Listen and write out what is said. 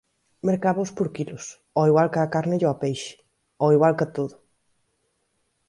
Mercábaos por quilos, ao igual cá carne e o peixe, ao igual ca todo.